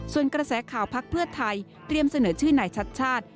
ส่วนกระแสข่าวพักเพื่อไทยเตรียมเสนอชื่อนายชัดชาติ